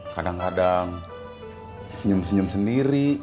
kadang kadang senyum senyum sendiri